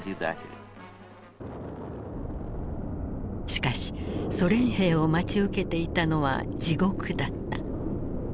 しかしソ連兵を待ち受けていたのは地獄だった。